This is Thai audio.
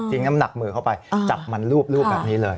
น้ำหนักมือเข้าไปจับมันรูปแบบนี้เลย